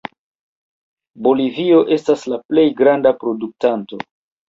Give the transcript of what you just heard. Bolivio estas la plej granda produktanto.